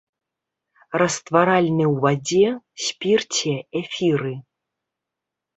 Растваральны ў вадзе, спірце, эфіры.